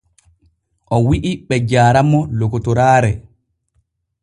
O wi’i be jaara mo lokotoraare.